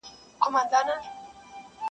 ډېر ناوخته کارګه پوه سو غولېدلی-